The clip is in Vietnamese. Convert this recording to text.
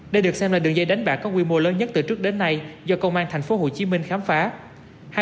đây được xem là đường dây đánh bạc có quy mô lớn nhất từ trước đến nay do công an tp hcm khám phá